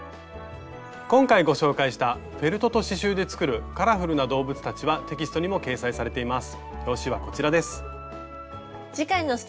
今回ご紹介した「フェルトと刺しゅうで作るカラフルな動物たち」はテキストにも掲載されています。